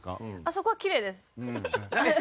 そこはきれいです。